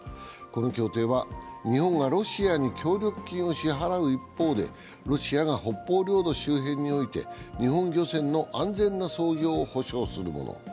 この協定は日本がロシアに協力金を支払う一方でロシアが北方領土周辺において、日本漁船の安全な操業を保障するもの。